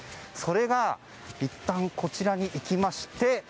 それがいったんこちらに行きまして